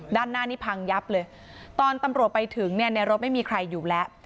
ด้านหน้านี้พังยับเลยตอนตำรวจไปถึงเนี่ยในรถไม่มีใครอยู่แล้ว